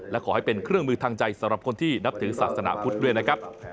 และขอให้เป็นเครื่องมือทางใจสำหรับคนที่นับถือศาสนาพุทธด้วยนะครับ